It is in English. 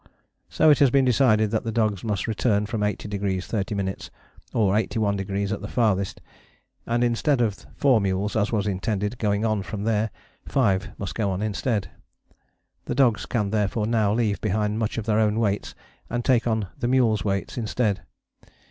So it has been decided that the dogs must return from 80° 30´, or 81° at the farthest, and instead of four mules, as was intended, going on from there, five must go on instead. The dogs can therefore now leave behind much of their own weights and take on the mules' weights instead.